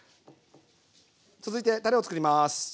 続いてたれを作ります。